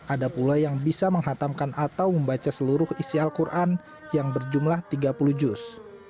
ada pula yang bisa menghatamkan atau membaca seluruh isi al quran yang berjumlah tiga puluh juz